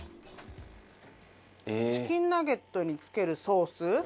チキンナゲットにつけるソース